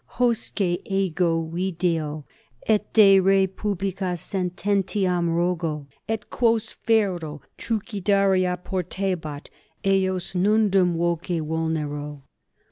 Hosce ego video et de re publica sententiam rogo, et quos ferro trucidari oportebat, eos nondum voce vulnero.